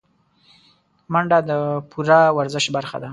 منډه د پوره ورزش برخه ده